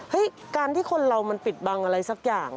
การที่คนเรามันปิดบังอะไรสักอย่าง